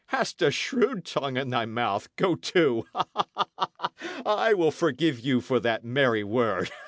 "Hast a shrewd tongue in thy mouth, go to! I will forgive you for that merry word.